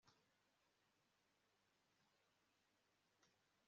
fata ikibazo cyacu kubatunganya numuziki wabo